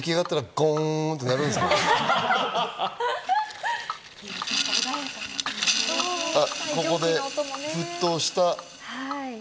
ここで沸騰した。